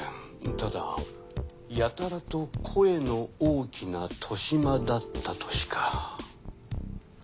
ただやたらと声の大きな年増だったとしか。